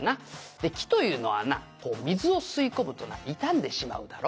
「で木というのはなこう水を吸い込むとな傷んでしまうだろ。